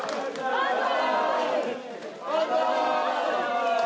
万歳！